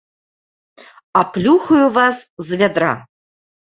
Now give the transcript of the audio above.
Аплюхаю вас з вядра.